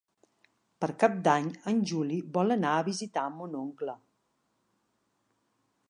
Per Cap d'Any en Juli vol anar a visitar mon oncle.